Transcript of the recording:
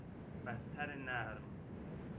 بستر نرم